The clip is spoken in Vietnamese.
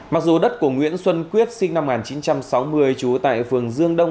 mặc dù đất của nguyễn xuân quyết sinh năm một nghìn chín trăm sáu mươi trú tại phường dương đông